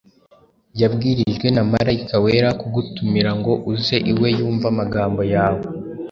yabwirijwe na marayika wera kugutumira, ngo uze iwe yumve amagambo yawe